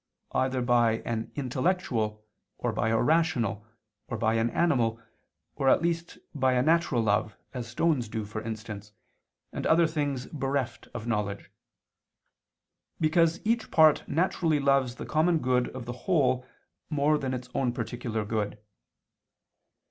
either by an intellectual, or by a rational, or by an animal, or at least by a natural love, as stones do, for instance, and other things bereft of knowledge, because each part naturally loves the common good of the whole more than its own particular good.